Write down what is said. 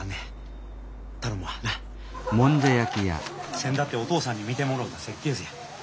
せんだっておとうさんに見てもろうた設計図や。